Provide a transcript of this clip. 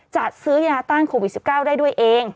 จัดซื้อยาต้านโควิด๑๙ได้ด้วยเอง